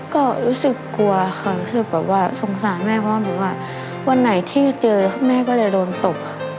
ก็รู้สึกกลัวค่ะรู้สึกแบบว่าสงสารแม่เพราะแบบว่าวันไหนที่เจอแม่ก็จะโดนตบค่ะ